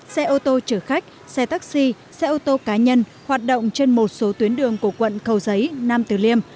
xe ô tô chở khách xe taxi xe ô tô cá nhân hoạt động trên một số tuyến đường của quận cầu giấy nam tử liêm